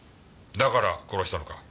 だから殺したのか？